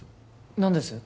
何です！？